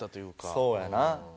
そうやな。